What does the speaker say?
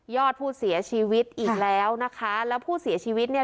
อดผู้เสียชีวิตอีกแล้วนะคะแล้วผู้เสียชีวิตเนี่ย